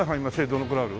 どのくらいある？